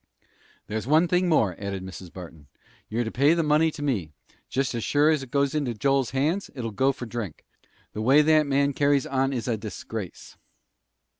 "There's one thing more," added Mrs. Barton; "you're to pay the money to me. Jest as sure as it goes into Joel's hands, it'll go for drink. The way that man carries on is a disgrace."